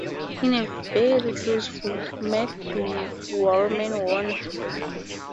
In a very close vote, Matt Warman won.